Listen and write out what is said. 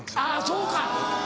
そうか。